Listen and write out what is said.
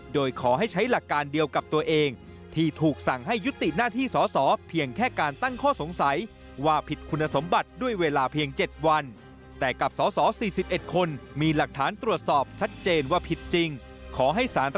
โดยขอให้ใช้หลักคำเดียวกับตัวเองที่ถูกสั่งให้ยุติหน้าที่